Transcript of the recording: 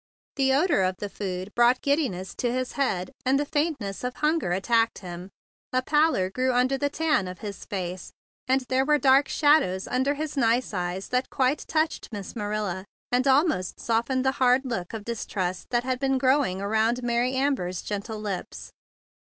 The odor of the food brought a giddiness to his head, and the faintness of hunger at 4 50 THE BIG BLUE SOLDIER tacked him. A pallor grew under the tan of his face, and there were dark shadows under his nice eyes that quite touched Miss Marilla, and almost soft¬ ened the hard look of distrust that had been growing around Mary Amber's gentle lips.